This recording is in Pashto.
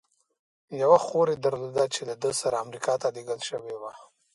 یوه خور یې درلوده، چې له ده سره امریکا ته لېږل شوې وه.